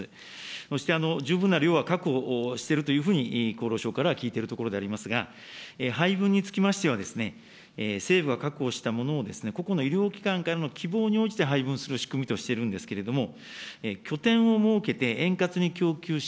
そして、十分な量は確保しているというふうに、厚労省からは聞いておるところでありますけれども、配分につきましては、政府が確保したものを、個々の医療機関からの希望に応じて配分する仕組みとしているんですけれども、拠点を設けて円滑に供給し、